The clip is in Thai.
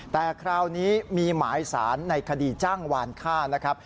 แต่คราวนี้มีหมายสารในคดีจ้างวานฆ่านะครับ